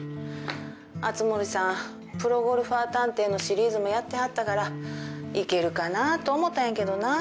熱護さんプロゴルファー探偵のシリーズもやってはったからいけるかなと思ったんやけどな。